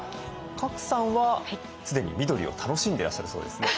賀来さんは既に緑を楽しんでらっしゃるそうですね。